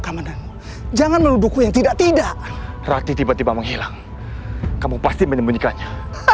keamananmu jangan menuduhku yang tidak tidak rati tiba tiba menghilang kamu pasti menyembunyikannya